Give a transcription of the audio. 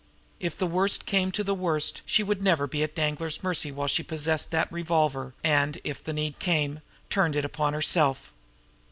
If the worst came to the worst she would never be at Danglar's mercy while she possessed that revolver and, if the need came, turned it upon herself.